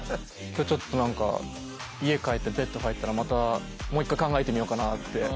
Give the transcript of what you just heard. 今日ちょっと何か家帰ってベッド入ったらまたもう一回考えてみようかなって。